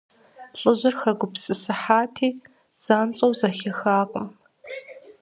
ЛӀыжьыр хэгупсысыхьати, занщӀэу зэхихакъым.